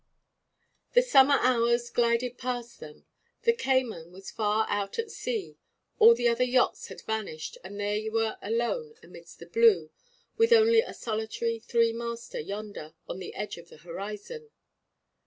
The summer hours glided past them. The Cayman was far out at sea; all the other yachts had vanished, and they were alone amidst the blue, with only a solitary three master yonder, on the edge of the horizon.